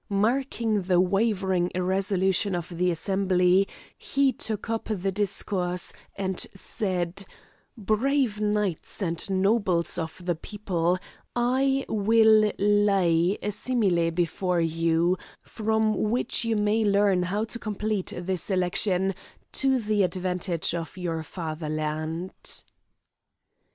Marking the wavering irresolution of the assembly, he took up the discourse and said: "Brave knights and nobles of the people, I will lay a simile before you, from which you may learn how to complete this election to the advantage of your father land."